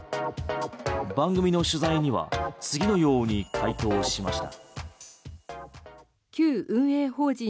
番組の取材には次のように回答しました。